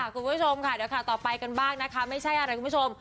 คุณผู้ชมค่ะเดี๋ยวข่าวต่อไปกันบ้างนะคะไม่ใช่อะไรคุณผู้ชม